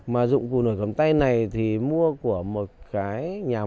mà dụng cụ nổi cầm tay này thì mua của một cái nhà